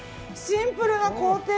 シンプルな工程！